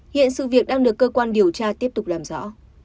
hiện sự việc đang được cơ quan điều tra tiếp tục làm rõ